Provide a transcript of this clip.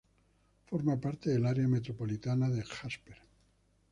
Forma parte del área micropolitana de Jasper.